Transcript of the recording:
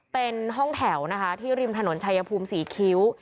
เป็นห้องแถวที่ริมถนนชายพุมศรีคิ้ว